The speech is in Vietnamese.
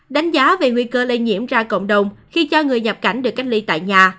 đánh giá về nguy cơ lây nhiễm ra cộng đồng khi cho người nhập cảnh được cách ly tại nhà